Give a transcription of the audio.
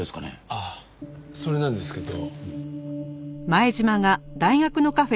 ああそれなんですけど。